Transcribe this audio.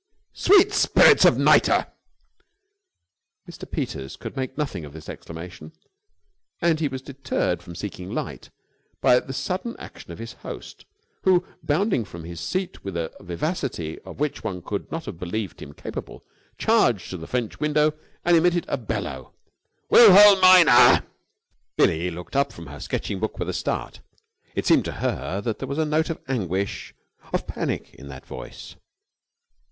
"Sweet spirits of nitre!" Mr. Peters could make nothing of this exclamation, and he was deterred from seeking light, by the sudden action of his host, who, bounding from his seat, with a vivacity of which one could not have believed him capable, charged to the French window and emitted a bellow. "Wilhelmina!" Billie looked up from her sketching book with a start. It seemed to her that there was a note of anguish, of panic, in that voice.